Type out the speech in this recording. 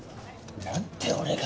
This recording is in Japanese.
何で俺が。